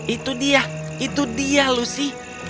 itu dia itu dia lucy